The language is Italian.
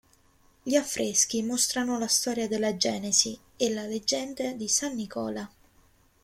Gli affreschi mostrano la storia della Genesi e la leggenda di San Nicola.